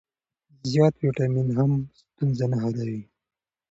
زیات ویټامین هم ستونزه نه حلوي.